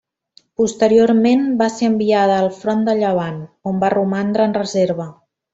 Posteriorment va ser enviada al front de Llevant, on va romandre en reserva.